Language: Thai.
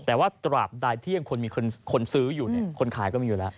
แต่ว่าตราบใดที่ยังควรมีคนซื้ออยู่เนี่ยคนขายก็มีอยู่แล้ว